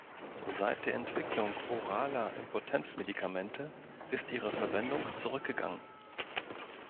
Seit der Entwicklung oraler Impotenz-Medikamente ist ihre Verwendung zurückgegangen.